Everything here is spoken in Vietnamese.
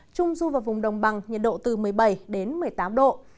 trung du vào vùng đồng bằng nhiệt độ từ một mươi bảy một mươi tám độ